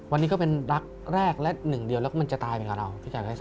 วันนี้ก็เป็นรักแรกและหนึ่งเดียวแล้วมันจะตายเป็นกับเรา